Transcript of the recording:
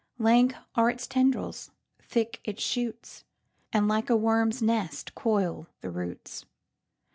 Lank are its tendrils, thick its shoots, And like a worm's nest coil the roots.